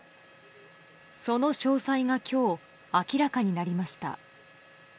その詳細が今日、明らかになりました。